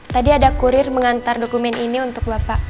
tadi ada kurir mengantar dokumen ini untuk bapak